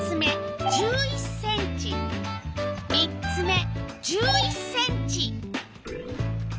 ３つ目１１ｃｍ。